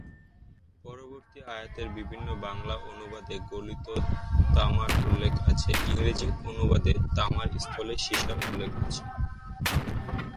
পরবর্তী আয়াতের বিভিন্ন বাংলা অনুবাদে গলিত তামার উল্লেখ আছে; ইংরেজি অনুবাদে তামার স্থলে সীসার উল্লেখ আছে।